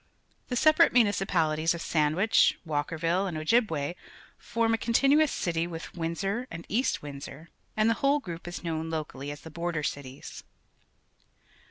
The separate municipali ties oi Sandivicli, Walker ville, and Ojibivay form a continuous city with \Yindsor and East Wind sor, and the whole group is known locally as the Border Cities.